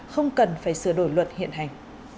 không cần phải sửa đổi luật hiện hành